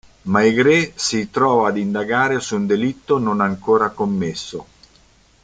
Maigret si trova ad indagare su un delitto non ancora commesso.